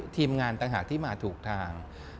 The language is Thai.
ทีมงานต่างหากที่มาถูกทาง